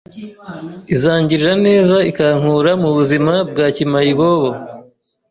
izangirira neza ikankura mu buzima bwa kimayibobo